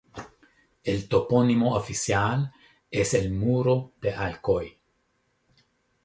El topónimo oficial es el de Muro de Alcoy.